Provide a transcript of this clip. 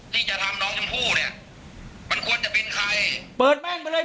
ที่จะทำน้องชมพู่เนี่ยมันควรจะเป็นใครเปิดบ้านไปเลย